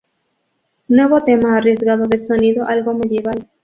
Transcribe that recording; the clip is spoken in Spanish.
Nuevo tema arriesgado de sonido algo "medieval".